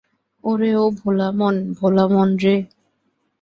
ওরে ও ভোলা মন, ভোলা মন রে।